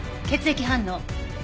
血液反応。